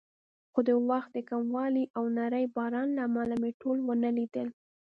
خو د وخت د کموالي او نري باران له امله مې ټول ونه لیدل.